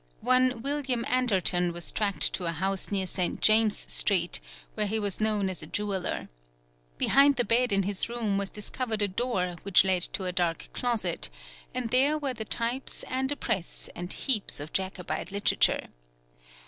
One William Anderton was tracked to a house near St. James's Street, where he was known as a jeweller. Behind the bed in his room was discovered a door which led to a dark closet, and there were the types and a press, and heaps of Jacobite literature.